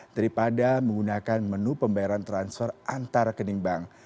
daripada menggunakan menu pembayaran transfer antara kening bank